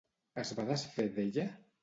Es va desfer d'ella?